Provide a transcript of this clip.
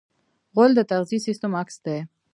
غول د تغذیې سیستم عکس دی.